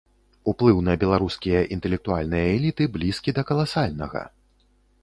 Уплыў на беларускія інтэлектуальныя эліты блізкі да каласальнага.